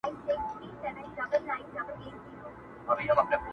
زه په تیارو کي چي ډېوه ستایمه.